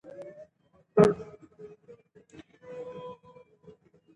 آیا هغې د غازیانو ملا تړلې وه؟